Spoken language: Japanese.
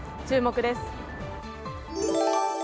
注目です。